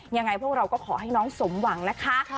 ยังไงพวกเราก็ขอให้น้องสมหวังนะคะ